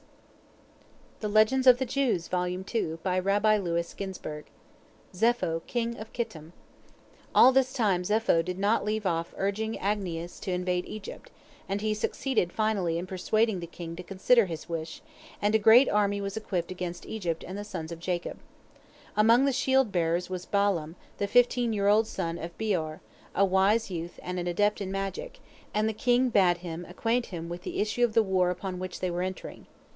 ZEPHO KING OF KITTIM All this time Zepho did not leave off urging Agnias to invade Egypt, and he succeeded finally in persuading the king to consider his wish, and a great army was equipped against Egypt and the sons of Jacob. Among the shield bearers was Balaam, the fifteen year old son of Beor, a wise youth and an adept in magic, and the king bade him acquaint him with the issue of the war upon which they were entering.